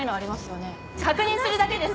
確認するだけです。